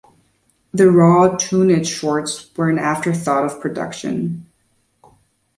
The "Raw Toonage" shorts were an after-thought of production.